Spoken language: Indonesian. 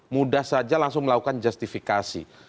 mudah saja langsung melakukan justifikasi